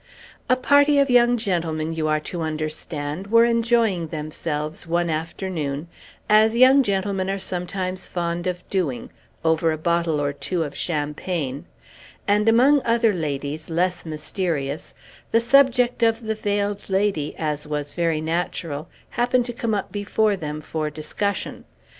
A party of young gentlemen, you are to understand, were enjoying themselves, one afternoon, as young gentlemen are sometimes fond of doing, over a bottle or two of champagne; and, among other ladies less mysterious, the subject of the Veiled Lady, as was very natural, happened to come up before them for discussion.